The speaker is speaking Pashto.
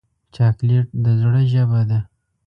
چاکلېټ د زړه ژبه ده.